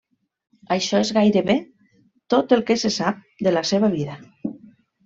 Això és gairebé tot el que se sap de la seva vida.